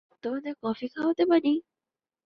তোমাদের কফি খাওয়াতে পারি?